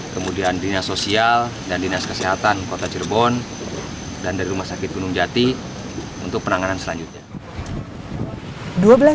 kemudian dinas sosial dan dinas kesehatan kota cirebon dan dari rumah sakit gunung jati untuk penanganan selanjutnya